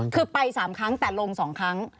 คือไปสามครั้งแต่ลงสองครั้ง